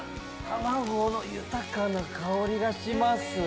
卵の豊かな香りがします。